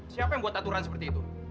siapa yang buat aturan seperti itu